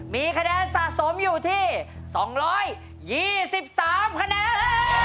มีคะแนนสะสมอยู่ที่๒๒๓คะแนน